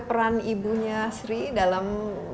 peran ibunya sri dalam